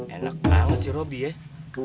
enak banget si robi ya